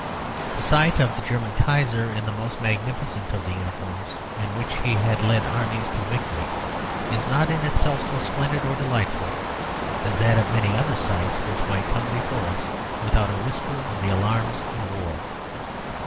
The sight of the German Kaiser in the most magnificent of the uniforms in which he had led armies to victory is not in itself so splendid or delightful as that of many other sights which might come before us without a whisper of the alarms of war.